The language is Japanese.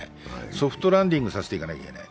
ソフトランディングさせていかなきゃいけない。